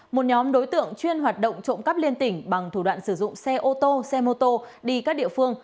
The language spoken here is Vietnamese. một nhóm đối tượng chuyên hoạt động trộm cắp liên tỉnh bằng thủ đoạn sử dụng xe ô tô xe mô tô đi các địa phương